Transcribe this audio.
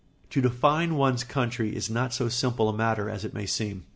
] To define one's country is not so simple a matter as it may seem.